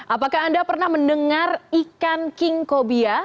apakah anda pernah mendengar ikan king cobia